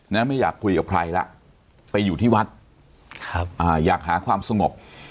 ไม่อยากคุยกับใครล่ะไปอยู่ที่วัดครับอ่าอยากหาความสงบ